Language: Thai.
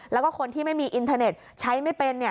แล้วก็คนที่ไม่มีอินเทอร์เน็ตใช้ไม่เป็น